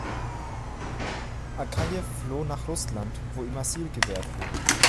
Akajew floh nach Russland, wo ihm Asyl gewährt wurde.